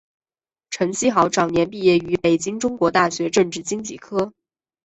陈希豪早年毕业于北京中国大学政治经济科。